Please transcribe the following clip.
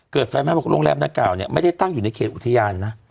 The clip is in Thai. เกิดไฟไว้บนโรงแรมหน้าเก่าเนี่ยไม่ได้ตั้งอยู่ในเขตอุทยานนะ